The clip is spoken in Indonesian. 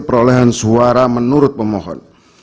perolehan suara menurut pemohon